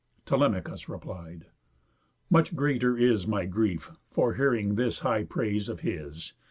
Telemachus replied: "Much greater is My grief, for hearing this high praise of his.